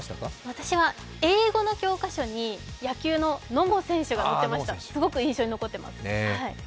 私は英語の教科書に野球の野茂選手が載っていてすごく印象に残っています。